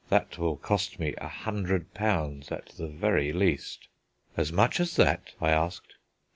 That will cost me a hundred pounds, at the very least." "As much as that?" I asked.